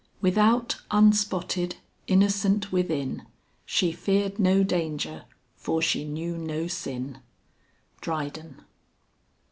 "Without unspotted, innocent within, She feared no danger, for she knew no sin." DRYDEN.